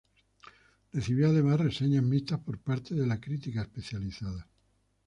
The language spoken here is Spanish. Recibió además reseñas mixtas por parte de la crítica especializada.